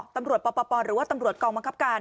ตำรวจปปหรือว่าตำรวจกองบังคับการ